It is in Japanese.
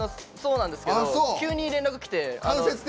急に連絡来て。